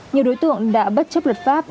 nhiều đối tượng đã bất chấp luật pháp